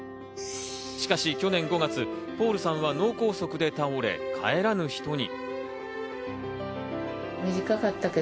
しかし去年５月、ポールさんは脳梗塞で倒れ、帰らぬ人に。